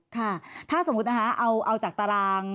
ค่ะถ้าสมมุตินะคะเอาจากตาราง